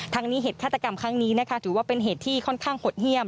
ทั้งนี้เหตุฆาตกรรมครั้งนี้นะคะถือว่าเป็นเหตุที่ค่อนข้างหดเยี่ยม